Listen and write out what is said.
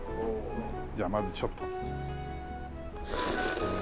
じゃあまずちょっと。